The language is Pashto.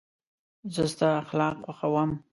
زه ستا اخلاق خوښوم.